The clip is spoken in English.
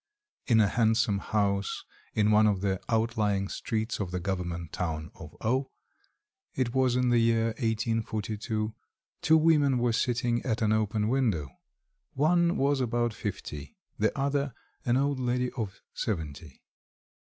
In a handsome house in one of the outlying streets of the government town of O (it was in the year 1842) two women were sitting at an open window; one was about fifty, the other an old lady of seventy.